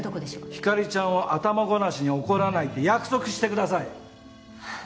ひかりちゃんを頭ごなしに怒らないって約束してください。